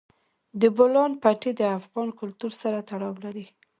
د بولان پټي د افغان کلتور سره تړاو لري.